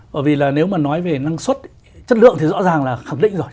bởi vì là nếu mà nói về năng suất chất lượng thì rõ ràng là khẳng định rồi